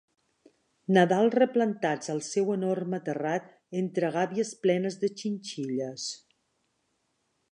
Nadal replantats al seu enorme terrat, entre gàbies plenes de xinxilles.